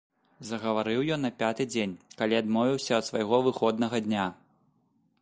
Загаварыў ён на пяты дзень, калі адмовіўся ад свайго выходнага дня.